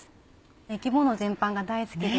生き物全般が大好きで。